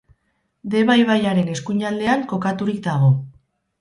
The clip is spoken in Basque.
Deba ibaiaren eskuinaldean kokaturik dago.